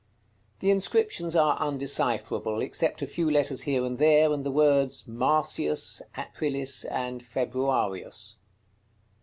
The inscriptions are undecipherable, except a few letters here and there, and the words MARCIUS, APRILIS, and FEBRUARIUS.